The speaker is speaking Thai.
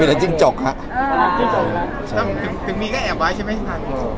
ด้วยเราจึงจอกครับ